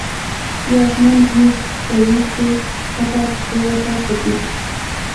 یا آسمان زمونږ په ویر کی، ښکته پریوته په ځمکه